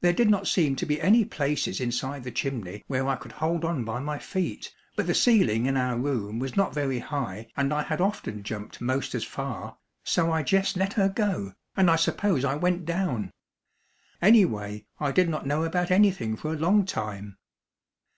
There did not seem to be any places inside the chimney where I could hold on by my feet, but the ceiling in our room was not very high and I had often jumped most as far, so I jes' let her go, and I suppose I went down. Anyway, I did not know about anything for a long time.